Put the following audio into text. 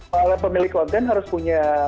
para pemilik konten harus punya